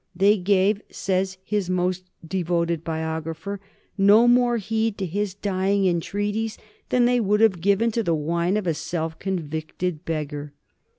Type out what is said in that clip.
They gave, says his most devoted biographer, no more heed to his dying entreaties than they would have given to the whine of a self convicted beggar.